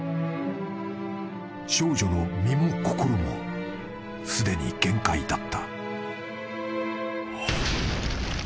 ［少女の身も心もすでに限界だった］